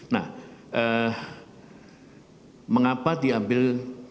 nah mengapa diambil